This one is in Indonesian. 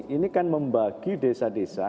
ini kan membagi desa desa